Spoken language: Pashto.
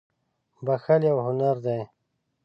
• بښل یو هنر دی.